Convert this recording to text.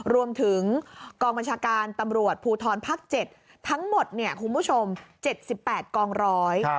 รวมถึงกองบัญชาการตำรวจภูทรภาค๗ทั้งหมดเนี่ยคุณผู้ชม๗๘กองร้อย